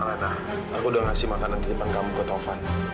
alena aku udah ngasih makanan ke depan kamu ke taufan